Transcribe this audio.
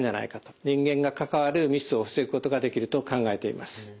人間が関わるミスを防ぐことができると考えています。